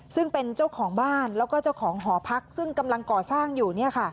ซึ่งเป็นเจ้าของบ้านแล้วก็เจ้าของหอพักซึ่งกำลังก่อสร้างอยู่